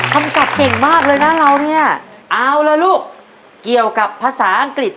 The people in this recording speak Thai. คำศัพท์เก่งมากเลยนะเราเนี่ยเอาละลูกเกี่ยวกับภาษาอังกฤษ